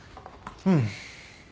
うん。